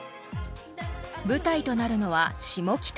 ［舞台となるのは］